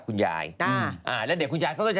สนุนโดยดีที่สุดคือการให้ไม่สิ้นสุด